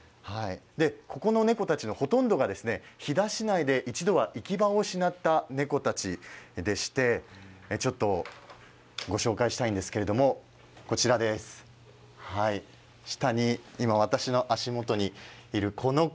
ここの猫たちのほとんどが飛騨市内で一度は行き場を失った猫たちでしてご紹介したいんですけど今、私の足元にいる、この子。